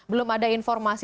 belum ada informasi